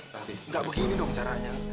ranti gak begini dong caranya